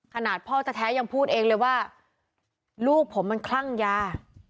ขนาดพ่อแท้ยังพูดเองเลยว่าลูกผมมันคลั่งยา